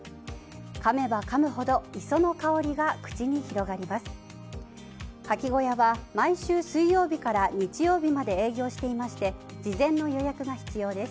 かめばかむほど磯の香りが口に広がります。